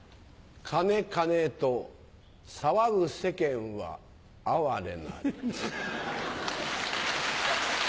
金金と騒ぐ世間は哀れなり。